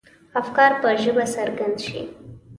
افکار په ژبه څرګند شي.